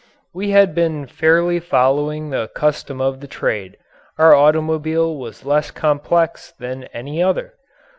We had been fairly following the custom of the trade. Our automobile was less complex than any other.